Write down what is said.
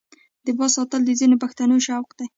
د باز ساتل د ځینو پښتنو شوق دی.